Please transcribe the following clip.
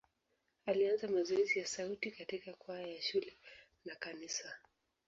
Alianza mazoezi ya sauti katika kwaya ya shule na kanisa.